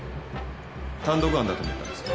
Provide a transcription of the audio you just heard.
単独犯だと思ったんですか？